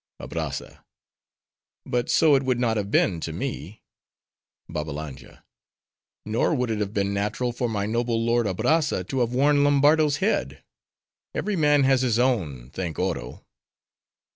ABRAZZA—But so it would not have been, to me. BABBALANJA—Nor would it have been natural, for my noble lord Abrazza, to have worn Lombardo's head:—every man has his own, thank Oro!